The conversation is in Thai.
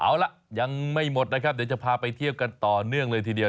เอาล่ะยังไม่หมดนะครับเดี๋ยวจะพาไปเที่ยวกันต่อเนื่องเลยทีเดียว